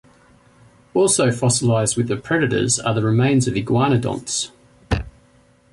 Also fossilized with the predators are the remains of iguanodonts.